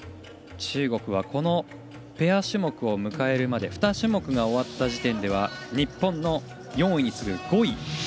中国はペア種目を迎えるまで２種目終わった時点では日本の４位に次ぐ５位。